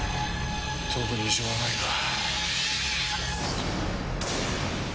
特に異常はないか。